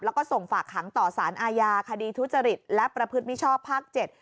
แล้วก็ส่งฝากขังต่อสารอาญาคดีทุจริตและประพฤติมิชชอบภาค๗